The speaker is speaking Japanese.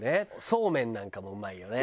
そうめんなんかもうまいよね。